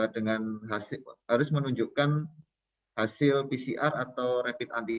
dengan harus menunjukkan hasil pcr atau rapid antigen